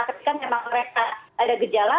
ketika memang mereka ada gejala